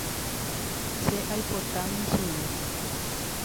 Che aipota michĩve.